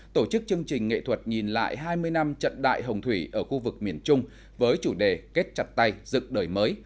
tổ chức chương trình nghệ thuật nhìn lại hai mươi năm trận đại hồng thủy ở khu vực miền trung với chủ đề kết chặt tay dựng đời mới